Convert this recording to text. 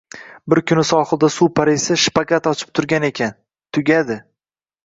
Bir kuni sohilda suv parisi shpagat ochib turgan ekan, tugadi...